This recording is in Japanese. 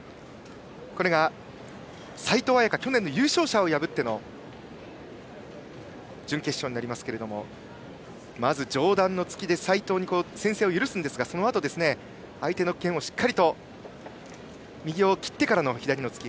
齊藤綾夏、去年の優勝者を破った準決勝になりますがまず上段の突きで齊藤に先制を許すんですがそのあと、相手の拳をしっかり右を切ってからの左の突き。